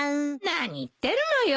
何言ってるのよ。